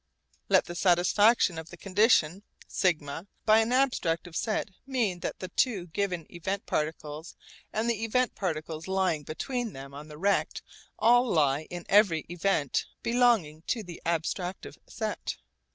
Let the satisfaction of the condition σ by an abstractive set mean that the two given event particles and the event particles lying between them on the rect all lie in every event belonging to the abstractive set.